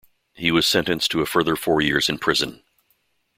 He was sentenced to a further four years in prison.